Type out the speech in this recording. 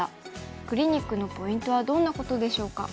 クリニックのポイントはどんなことでしょうか。